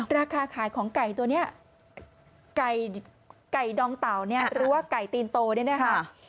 ราคาขายของไก่ตัวนี้ไก่ดองเต่าเนี่ยหรือว่าไก่ตีนโตเนี่ยนะคะ